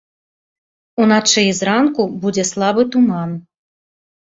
Уначы і зранку будзе слабы туман.